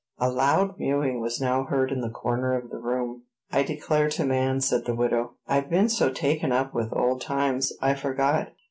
A loud mewing was now heard in the corner of the room. "I declare to man," said the widow, "I've been so taken up with old times, I forgot.